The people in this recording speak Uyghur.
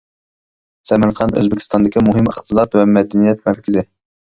سەمەرقەنت ئۆزبېكىستاندىكى مۇھىم ئىقتىساد ۋە مەدەنىيەت مەركىزى.